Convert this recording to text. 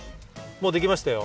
もうできましたよ！